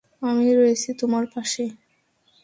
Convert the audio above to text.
আমি রয়েছি তোমার পাশে।